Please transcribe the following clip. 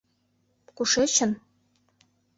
Кушечын?